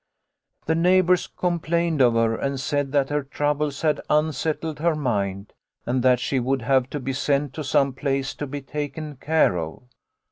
The neighbours complained of her, and said that her troubles had unsettled her mind, and that she would have to be sent some place to be taken care of.